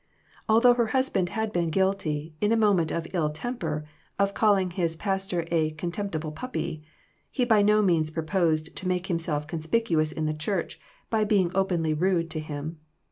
Although her husband had been guilty, in a moment of ill tem per, of calling his pastor a " contemptible puppy," he by no means proposed to make himself con spicuous in the church by being openly rude to him.